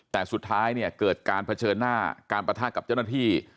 แต่สุดท้ายเนี่ยเกิดการเผชิญหน้าการประทะกับเจ้าหน้าที่